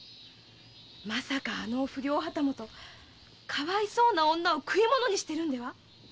まさかあの不良旗本かわいそうな女を食い物にしてるのでは？